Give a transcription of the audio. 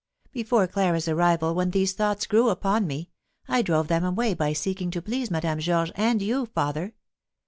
Before Clara's arrival, when these thoughts grew upon me, I drove them away by seeking to please Madame Georges and you, father.